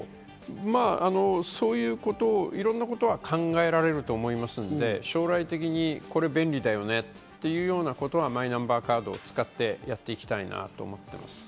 そういうこと、いろんなことを考えられると思いますので、将来的に便利だよねっていうようなことはマイナンバーカードを使ってやっていきたいなと思っています。